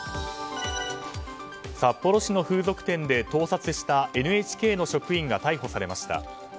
札幌市の風俗店で盗撮したＮＨＫの職員が逮捕されました。